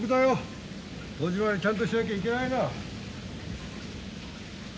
戸締まりちゃんとしなきゃいけないな。